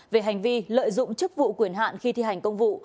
về hành vi lợi dụng chức vụ quyền hạn khi thi hành công vụ